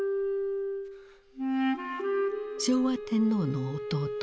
昭和天皇の弟